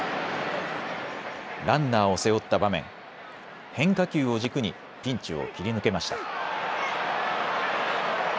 ランナーを背負った場面、変化球を軸にピンチを切り抜けました。